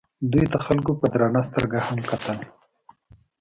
دوی ته خلکو په درنه سترګه هم کتل.